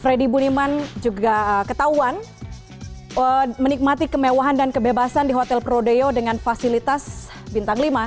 freddy budiman juga ketahuan menikmati kemewahan dan kebebasan di hotel prodeo dengan fasilitas bintang lima